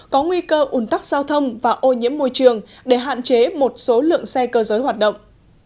có nguy cơ ủn tắc giao thông và ô nhiễm môi trường để hạn chế một số lượng xe cơ giới hoạt động